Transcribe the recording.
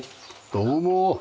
どうも。